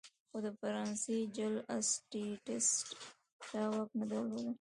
خو د فرانسې جل اسټټس دا واک نه درلود.